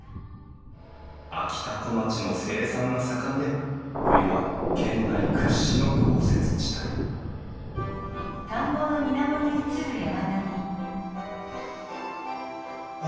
あきたこまちの生産が盛んで冬は県内屈指の豪雪地帯あ